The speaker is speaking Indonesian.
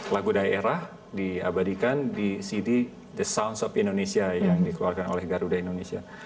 lagu daerah diabadikan di cd the sounds of indonesia yang dikeluarkan oleh garuda indonesia